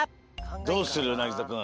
どうするなぎさくん。